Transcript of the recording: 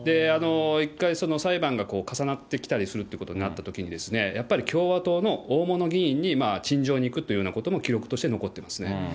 一回、裁判が重なってきたりするっていうことになったときに、やっぱり共和党の大物議員に陳情に行くというようなことも、記録として残ってますね。